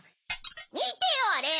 みてよあれ！